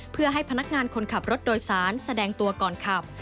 เพื่อให้พนักงานคนขับรถโดยสารแสดงตัวก่อนขับ